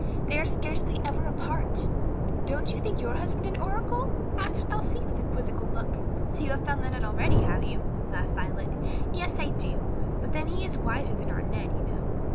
They are scarcely ever apart." "Don't you think your husband an oracle?" asked Elsie, with a quizzical look. "So you have found that out already, have you?" laughed Violet. "Yes, I do, but then he is wiser than our Ned, you know.